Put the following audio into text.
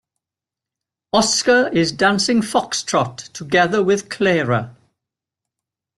Oscar is dancing foxtrot together with Clara.